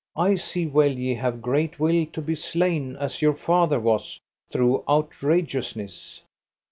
I see well ye have great will to be slain as your father was, through outrageousness.